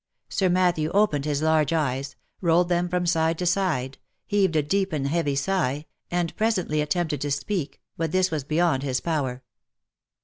Sir Matthew opened his large eyes, rolled them from side to side, heaved a deep and heavy sigh, and presently attempted to speak, but this was beyond his power.